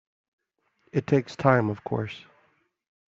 It takes time of course.